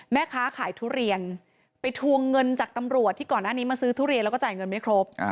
แม่ค้าขายทุเรียนไปทวงเงินจากตำรวจที่ก่อนหน้านี้มาซื้อทุเรียนแล้วก็จ่ายเงินไม่ครบ